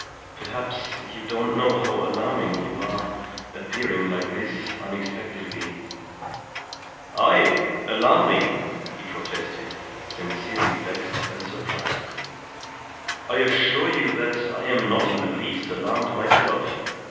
"Perhaps you don't know how alarming you are, appearing like this unexpectedly " "I! Alarming!" he protested, sincerely vexed and surprised. "I assure you that I am not in the least alarmed myself.